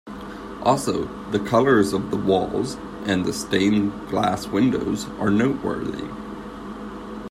Also the colours of the walls and the stained glass windows are noteworthy.